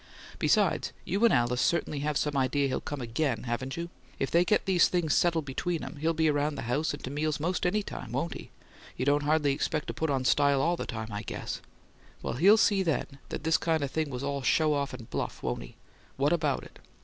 Besides, you and Alice certainly have some idea he'll come AGAIN, haven't you? If they get things settled between 'em he'll be around the house and to meals most any time, won't he? You don't hardly expect to put on style all the time, I guess. Well, he'll see then that this kind of thing was all show off, and bluff, won't he? What about it?"